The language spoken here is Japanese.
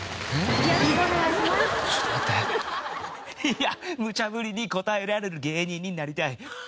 いやむちゃ振りに応えられる芸人になりたい。